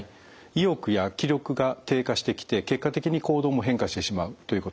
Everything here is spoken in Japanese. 意欲や気力が低下してきて結果的に行動も変化してしまうということ。